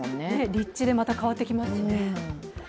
立地でまた変わってきますしね。